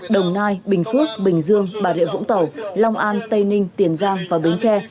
đồng nai bình phước bình dương bà rịa vũng tàu long an tây ninh tiền giang và bến tre